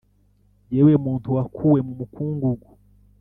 Yewe muntu wakuwe mu mukungugu